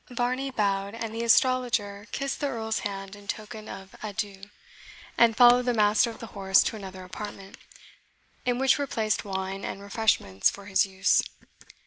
Varney bowed, and the astrologer kissed the Earl's hand in token of adieu, and followed the master of the horse to another apartment, in which were placed wine and refreshments for his use.